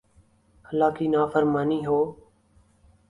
، اللہ کی نافرمانی ہو